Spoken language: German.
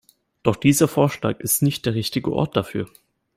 Doch dieser Vorschlag ist nicht der richtige Ort dafür.